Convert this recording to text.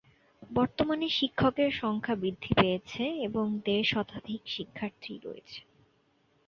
বর্তমানে শিক্ষকদের সংখ্যা বৃদ্ধি পেয়েছে এবং দেড় শতাধিক শিক্ষার্থী রয়েছে।